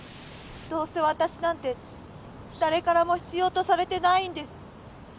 どうせ私なんて誰からも必要とされてないんです。